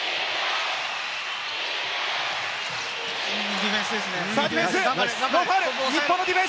ディフェンスですね。